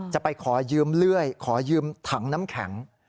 จะไปขอยืมเลื่อยขอยืมถังน้ำแข็ง